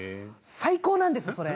最高なんですよ。